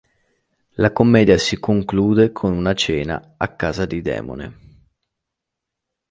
La commedia si conclude con una cena a casa di Demone.